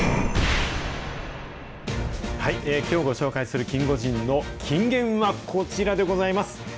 きょうご紹介するキンゴジンの金言はこちらでございます。